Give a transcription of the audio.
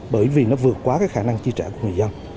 bởi vì nó vượt quá cái khả năng chi trả của người dân